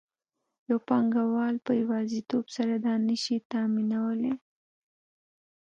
یو پانګوال په یوازیتوب سره دا نشي تامینولی